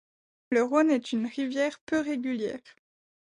Le Rhonne est une rivière peu régulière.